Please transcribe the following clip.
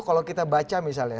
kalau kita baca misalnya